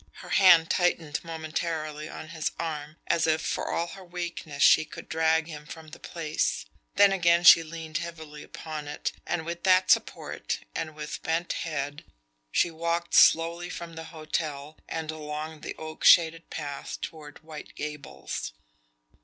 Her hand tightened momentarily on his arm as if, for all her weakness, she could drag him from the place; then again she leaned heavily upon it, and with that support, and with bent head, she walked slowly from the hotel and along the oak shaded path toward White Gables.